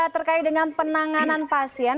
terkait dengan penanganan pasien